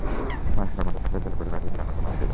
মাছ ধরা বন্ধ থাকলে জেলে পরিবারে ঈদের আনন্দ মাটি হয়ে যাবে।